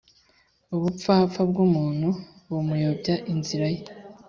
ubupfapfa bw’umuntu bumuyobya inzira ye